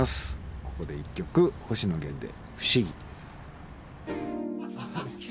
ここで一曲星野源で「不思議」。